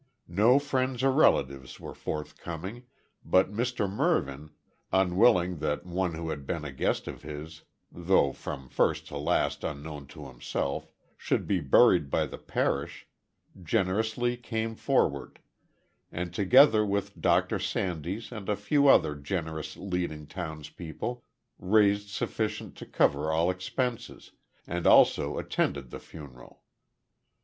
No friends or relatives were forthcoming, but Mr Mervyn, unwilling that one who had been a guest of his though from first to last unknown to himself should be buried by the parish, generously came forward, and together with Dr Sandys and a few other generous leading townspeople, raised sufficient to cover all expenses, and also attended the funeral.